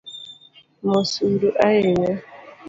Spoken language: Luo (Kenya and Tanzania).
Mos huru ahinya .